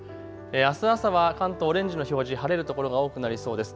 あす朝は関東オレンジの表示、晴れる所が多くなりそうです。